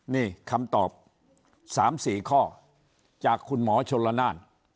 นี่คำตอบ๓๔ข้อจากคุณหมอชนละนาน